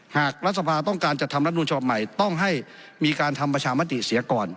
หากรัฐสภาต้องการจัดทำรัฐนูลฉบับใหม่ต้องให้มีการทำประชามติเสียก่อน